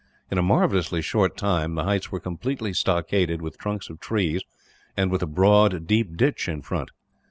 In a marvellously short time the heights were completely stockaded with trunks of trees; and with a broad, deep ditch in front.